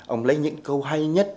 ông lấy những câu hay nhất